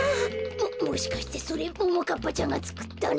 ももしかしてそれももかっぱちゃんがつくったの？